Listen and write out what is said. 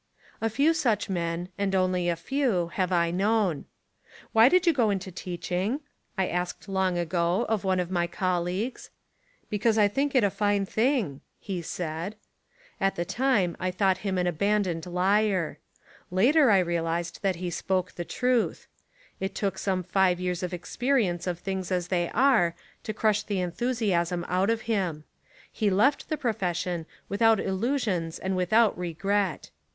A few such men, and only a few, have I known. "Why did you go into teaching?" I asked long ago of one of my colleagues. "Be cause I think it a fine thing," he said. At the time I thought him an abandoned liar. Later I realised that he spoke the truth. It took some five years of experience of things as they are to crush the enthusiasm out of him. He left the profession without illusions and with out regret.